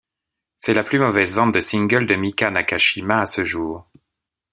C'est la plus mauvaise vente de single de Mika Nakashima à ce jour.